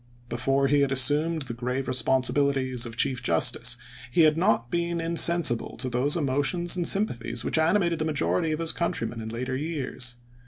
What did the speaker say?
Before he had assumed the grave responsibilities of chief justice he had not been insensible to those emotions and sympathies which animated the majority of his countrymen in later years.